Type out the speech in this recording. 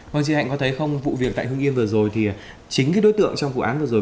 vâng chị hạnh có thấy không vụ việc tại hưng yên vừa rồi thì chính cái đối tượng trong vụ án vừa rồi